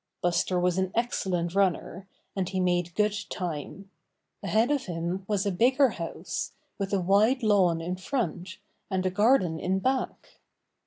Buster was an excellent runner, and he made good time. Ahead of him was a bigger house, with a wide lawn in front, and a garden in back.